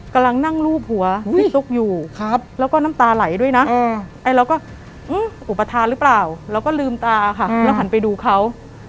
กำลังนั่งรูปหัวพี่ตุ๊กอยู่แล้วก็น้ำตาไหลด้วยนะไอ้เราก็อุปทานหรือเปล่าเราก็ลืมตาค่ะแล้วหันไปดูเขา